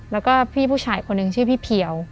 แล้วก็พี่ผู้ชายคนหนึ่งชื่อพี่เพียว